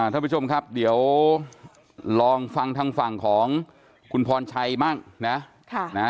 ท่านผู้ชมครับเดี๋ยวลองฟังทางฝั่งของคุณพรชัยบ้างนะ